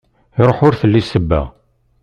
Iruḥ ur telli ssebba.